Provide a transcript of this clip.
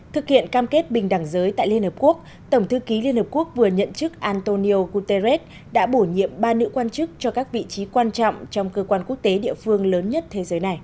thực hiện cam kết bình đẳng giới tại liên hợp quốc tổng thư ký liên hợp quốc vừa nhận chức antonio guterres đã bổ nhiệm ba nữ quan chức cho các vị trí quan trọng trong cơ quan quốc tế địa phương lớn nhất thế giới này